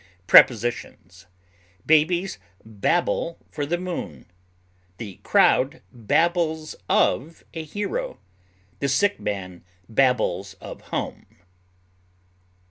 Prepositions: Babies babble for the moon; the crowd babbles of a hero; the sick man babbles of home.